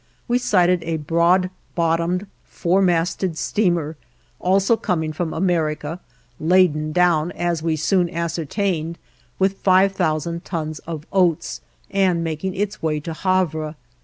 We sighted a broad bottomed, four masted steamer, also coming from America, laden down, as we soon ascertained, with 5,000 tons of oats, and making its way to Havre.